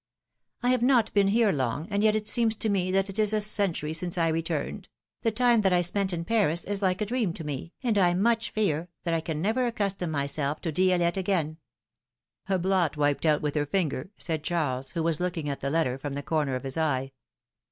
I have not been here long, and yet it seems to me that it is a century since I returned ; the time that I spent in Paris is like a dream to me, and I much fear that I can never accustom myself to Di6lette again —" blot wiped out with her finger," said Charles, who was looking at the letter from the corner of his eye.